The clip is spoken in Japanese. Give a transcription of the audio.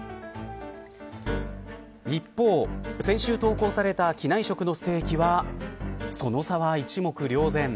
一方、先週投稿された機内食のステーキはその差は一目瞭然。